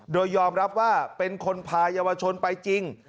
โดยยอมรับว่าเป็นคนพายาวชนไปจริง